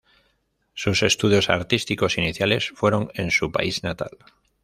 Sus estudios artísticos iniciales fueron en su país natal.